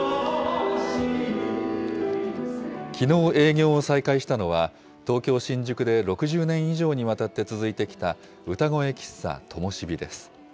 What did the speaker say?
きのう営業を再開したのは、東京・新宿で６０年以上にわたって続いてきた、歌声喫茶ともしびです。